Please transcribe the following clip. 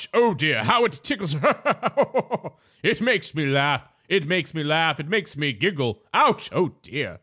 Oh, dear! How it tickles. Ha! Ha! Ha! Ho! Ho! Ho! It makes me laugh. It makes me laugh. It makes me giggle! Ouch! Oh, dear!"